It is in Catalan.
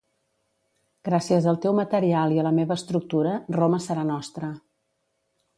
Gràcies al teu material i a la meva estructura, Roma serà nostra.